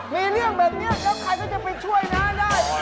มีเรื่องแบบนี้แล้วใครก็จะไปช่วยน้าได้